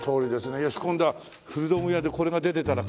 よし今度は古道具屋でこれが出てたら買おう。